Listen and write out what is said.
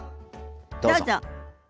どうぞ。